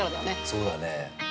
◆そうだね。